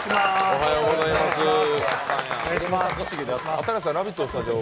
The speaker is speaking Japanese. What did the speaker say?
新子さん「ラヴィット！」のスタジオ